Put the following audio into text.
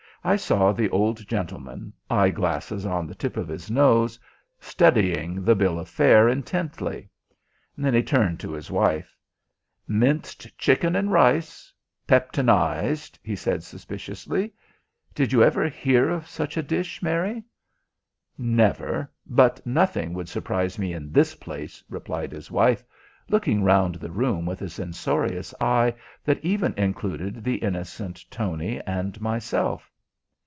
I saw the old gentleman, eye glasses on the tip of his nose, studying the bill of fare intently. Then he turned to his wife. "Minced chicken and rice peptonized," he said suspiciously. "Did you ever hear of such a dish, Mary?" "Never. But nothing would surprise me in this place," replied his wife, looking round the room with a censorious eye that even included the innocent Tony and myself.